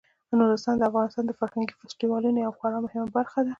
نورستان د افغانستان د فرهنګي فستیوالونو یوه خورا مهمه برخه ده.